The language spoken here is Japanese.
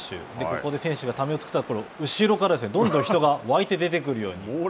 ここで選手がためを作ったところ後ろからどんどん人が沸いて出てくるように。